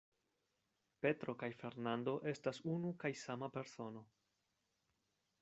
Petro kaj Fernando estas unu kaj sama persono.